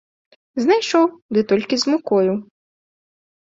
Знайшоў, ды толькі з мукою.